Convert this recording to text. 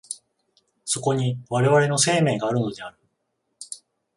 そこに我々の生命があるのである。